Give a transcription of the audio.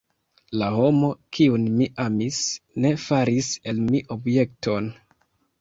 La homo, kiun mi amis, ne faris el mi objekton.